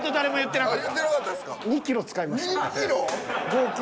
合計。